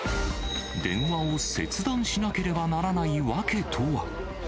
電話を切断しなければならない訳とは。